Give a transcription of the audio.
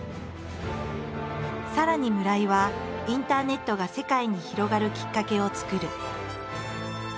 さらに村井はインターネットが世界に広がるきっかけを作る。